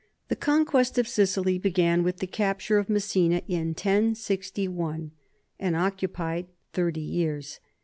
The conquest of Sicily began with the capture of Messina in 1061 and occupied thirty years.